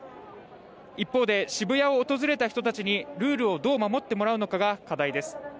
一方で、渋谷を訪れた人たちにルールをどう守ってもらうのかが課題です。